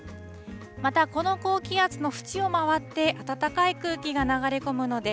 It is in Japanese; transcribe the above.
また、この高気圧の縁を回って暖かい空気が流れ込むので、